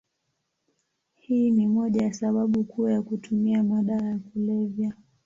Hii ni moja ya sababu kuu ya kutumia madawa ya kulevya.